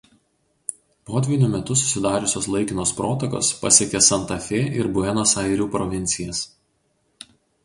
Potvynių metu susidariusios laikinos protakos pasiekia Santa Fė ir Buenos Airių provincijas.